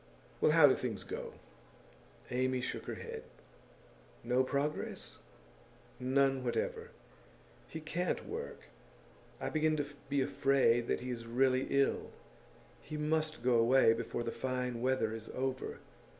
Well, how do things go?' Amy shook her head. 'No progress?' 'None whatever. He can't work; I begin to be afraid that he is really ill. He must go away before the fine weather is over.